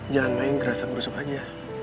jangan main gerasa berusuk aja